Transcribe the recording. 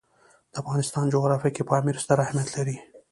د افغانستان جغرافیه کې پامیر ستر اهمیت لري.